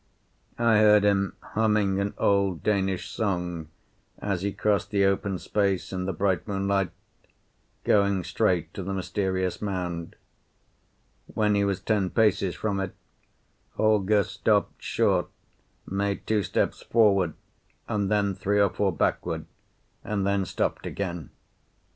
I heard him humming an old Danish song as he crossed the open space in the bright moonlight, going straight to the mysterious mound. When he was ten paces from it, Holger stopped short, made two steps forward, and then three or four backward, and then stopped again.